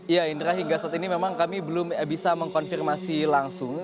ya indra hingga saat ini memang kami belum bisa mengkonfirmasi langsung